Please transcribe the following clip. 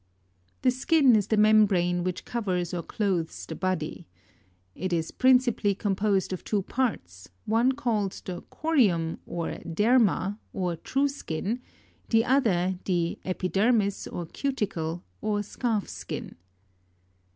10. The skin is the membrane which covers or clothes the body. It is principally composed of two parts, one called the iorium or aetata, or true skin, the other, the epidermis or cuticle, or scarf skin.